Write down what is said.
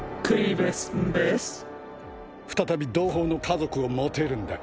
再び同胞の家族を持てるんだ。